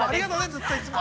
ずっと、いつも。